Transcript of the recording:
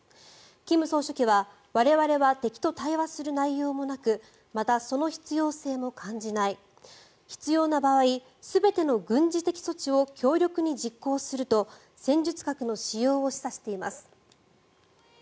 金総書記は我々は敵と対話する内容もなくまたその必要性も感じない必要な場合、全ての軍事的措置を強力に実行すると戦術核の使用を示唆しています。